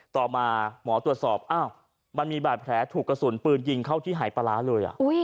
ต่อมาหมอตรวจสอบอ้าวมันมีบาดแผลถูกกระสุนปืนยิงเข้าที่หายปลาร้าเลย